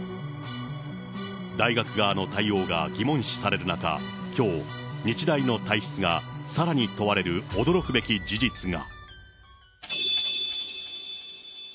大学側の対応が疑問視される中、きょう、日大の体質がさらに問われる驚くべき事実が。